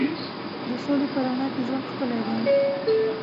د سولې په رڼا کې ژوند ښکلی دی.